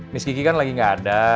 miss kiki kan lagi ga ada